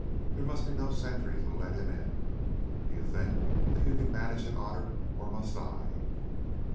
There must be no sentry to let him in. Do you think that you can manage it, Otter, or must I?"